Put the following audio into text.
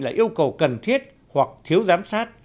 là yêu cầu cần thiết hoặc thiếu giám sát